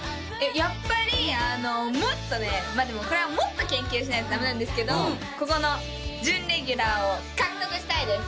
やっぱりもっとねでもこれはもっと研究しないとダメなんですけどここの準レギュラーを獲得したいです